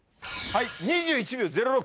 ２１秒０６。